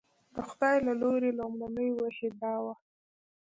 د خدای له لوري لومړنۍ وحي دا وه.